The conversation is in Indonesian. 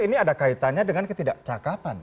ini ada kaitannya dengan ketidakcakapan